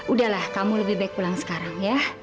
udahlah kamu lebih baik pulang sekarang ya